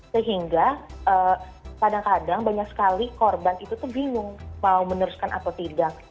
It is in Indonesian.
sehingga kadang kadang banyak sekali korban itu tuh bingung mau meneruskan atau tidak